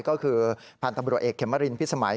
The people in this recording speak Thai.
ก็คือพันธุ์ตำรวจเอกเขมรินพิสมัย